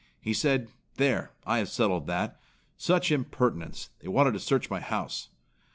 He said, 'There, I have settled that! Such impertinence! They wanted to search my house!'